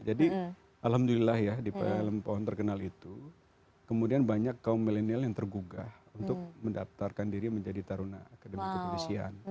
jadi alhamdulillah ya di film pohon terkenal itu kemudian banyak kaum milenial yang tergugah untuk mendaftarkan diri menjadi taruna akademi kepolisian